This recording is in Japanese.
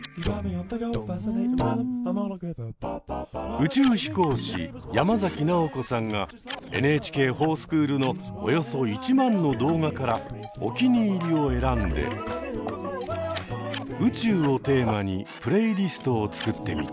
宇宙飛行士山崎直子さんが「ＮＨＫｆｏｒＳｃｈｏｏｌ」のおよそ１万の動画からおきにいりを選んで「宇宙」をテーマにプレイリストを作ってみた。